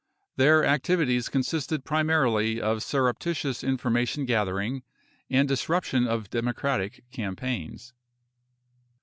Their activities consisted primarily of surreptitious information gathering and disruption of Democratic campaigns.